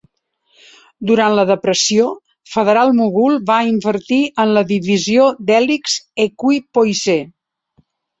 Durant la depressió, Federal-Mogul va invertir en la divisió d'hèlixs Equi-Poise.